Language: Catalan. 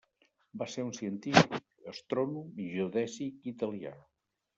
Va ser un científic, astrònom i geodèsic italià.